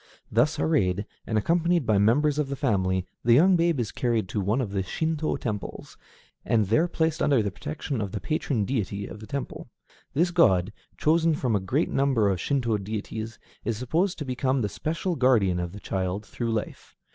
Thus arrayed, and accompanied by members of the family, the young baby is carried to one of the Shinto temples, and there placed under the protection of the patron deity of the temple. This god, chosen from a great number of Shinto deities, is supposed to become the special guardian of the child through life.